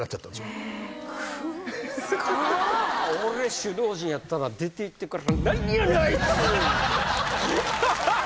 俺首脳陣やったら出て行ってから。